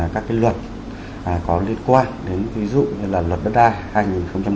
các luật có liên quan đến ví dụ như là luật đất đai hai nghìn một mươi ba